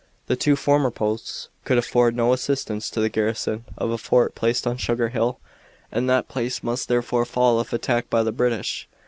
The two former posts could afford no assistance to the garrison of a fort placed on Sugar Hill, and that place must therefore fall if attacked by the British.